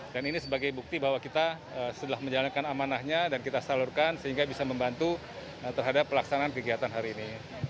dan ini sebagai bukti bahwa kita sudah menjalankan amanahnya dan kita salurkan sehingga bisa membantu terhadap pelaksanaan kegiatan hari ini